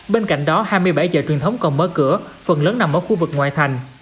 bên cạnh đó hai mươi bảy chợ truyền thống còn mở cửa phần lớn nằm ở khu vực ngoại thành